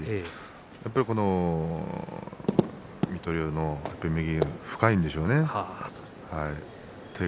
やっぱり水戸龍の右が深いんでしょうね。